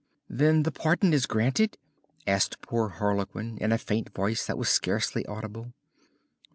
"Then the pardon is granted?" asked poor Harlequin in a faint voice that was scarcely audible.